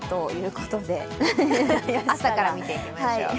朝から見ていきましょう。